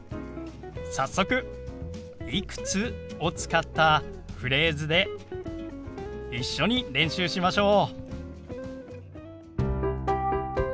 早速「いくつ？」を使ったフレーズで一緒に練習しましょう。